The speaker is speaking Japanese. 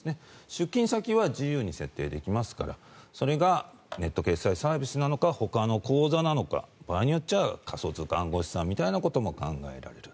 出金先は自由に設定できますからそれがネット決済サービスなのかほかの口座なのか場合によっては仮想通貨暗号資産みたいなことも考えられる。